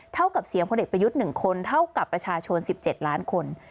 กับเสียงพลเอกประยุทธ์๑คนเท่ากับประชาชน๑๗ล้านคน